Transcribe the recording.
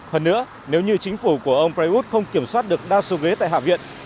hơn nữa nếu như chính phủ của ông prayuth không kiểm soát được đa số ghế tại hạ viện